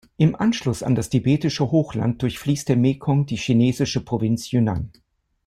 Im Anschluss an das tibetische Hochland durchfließt der Mekong die chinesische Provinz Yunnan.